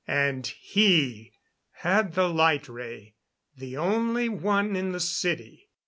And he had the light ray the only one in the city.